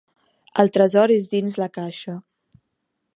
El tresor és dins la caixa.